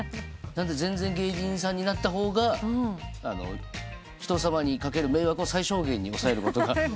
なので全然芸人さんになった方が人さまに掛ける迷惑を最小限に抑えることが。